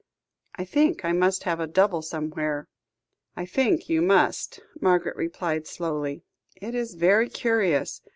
I think I must have a double somewhere." "I think you must," Margaret replied slowly. "It is very curious.